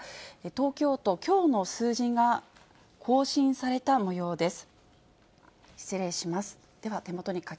東京都、きょうの数字が更新されたもようです。